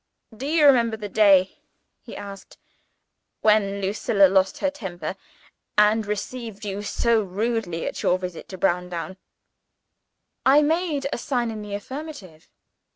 "Do you remember the day," he asked, "when Lucilla lost her temper, and received you so rudely at your visit to Browndown?" I made a sign in the affirmative.